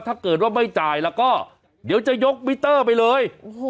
ถ้าเกิดว่าไม่จ่ายแล้วก็เดี๋ยวจะยกมิเตอร์ไปเลย